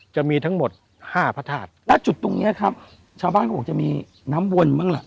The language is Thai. จะมีทั้งหมดห้าพระธาตุณจุดตรงเนี้ยครับชาวบ้านเขาบอกจะมีน้ำวนบ้างล่ะ